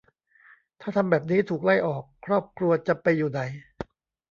ถ้าทำแบบนี้ ถูกไล่ออก ครอบครัวจะไปอยู่ไหน